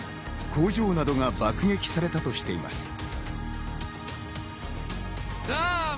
工場などが爆撃されたとしています。